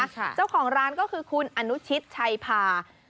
เจ้าของร้านก็คือคุณอนุชิตชัยพา